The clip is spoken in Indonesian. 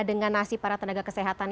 dengan nasib para tenaga kesehatan